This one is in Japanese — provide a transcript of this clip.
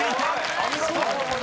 お見事！］